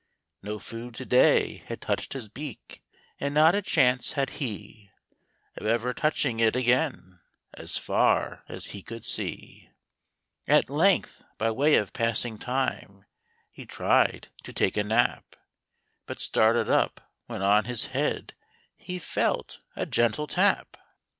No food to day had touched his beak, And not a chance had he Of ever touching it again, As far as he could see. At length, by way of passing time, He tried to take a nap, But started up, when on his head He felt a gentle tap.